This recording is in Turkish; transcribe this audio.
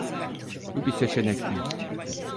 Bu bir seçenek değil.